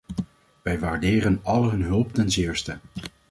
Wij waarderen al hun hulp ten zeerste.